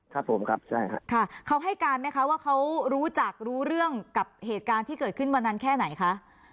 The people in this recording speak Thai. ครับผมครับใช่ค่ะเขาให้การไหมคะว่าเขารู้จักรู้เรื่องกับเหตุการณ์ที่เกิดขึ้นวันนั้นแค่ไหนคะ